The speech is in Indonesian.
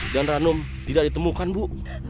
dan ranum tidak ditemukan bu